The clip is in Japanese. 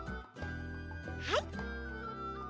はい。